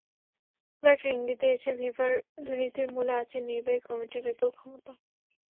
Blatter ইঙ্গিত দিয়েছেন, ফিফার দুর্নীতির মূলে আছে নির্বাহী কমিটির বিপুল ক্ষমতা।